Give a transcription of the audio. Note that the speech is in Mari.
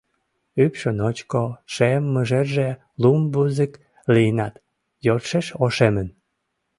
Ӱпшӧ ночко, шем мыжерже лум вузык лийынат, йӧршеш ошемын.